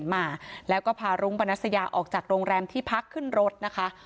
มาแล้วก็พารุ้งปนัสยาออกจากโรงแรมที่พักขึ้นรถนะคะ